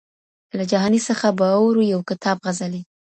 له جهاني څخه به اورو یو کتاب غزلي